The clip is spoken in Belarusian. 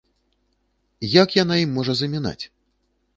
Як яна ім можа замінаць?